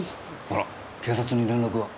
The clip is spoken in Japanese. あら警察に連絡は？